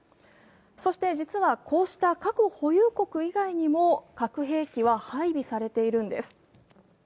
そして、実はこうした核保有国以外にも核兵器は配備されているんです。